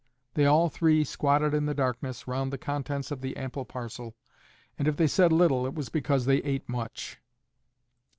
They all three squatted in the darkness round the contents of the ample parcel, and if they said little it was because they ate much.